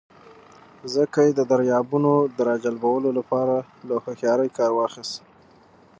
ځکه يې د درباريانو د را جلبولو له پاره له هوښياری کار واخيست.